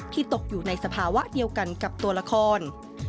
ตกอยู่ในสภาวะเดียวกันกับตัวละคร